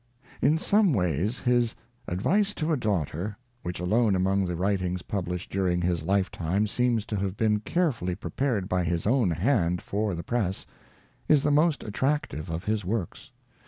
In some ways his Advice to a Daughter, which, alone among the writings published during his lifetime, seems to have been carefully prepared by his own hand for the press, is the most attractive of his works.